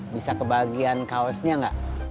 bisa kebagian kaosnya enggak